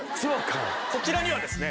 こちらにはですね